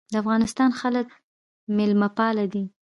د افغانستان خلک میلمه پال دي